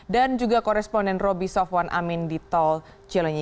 dan juga koresponden roby sofwan amin di tol jelenyi